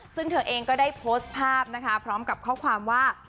ซึ่งเธอเองก็ได้โพสต์ภาพนะคะพร้อมกับข้อความว่า